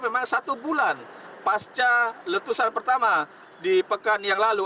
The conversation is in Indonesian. memang satu bulan pasca letusan pertama di pekan yang lalu